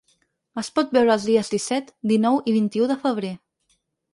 Es pot veure els dies disset, dinou i vint-i-u de febrer.